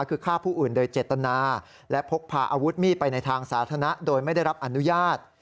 คือฆ่าผู้อื่นโดยเจตนาและพกพาอาวุธมีดไปในทางสาธารณะโดยไม่ได้รับอนุญาต